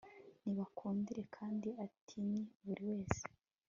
Nibakundire kandi atinye buri wese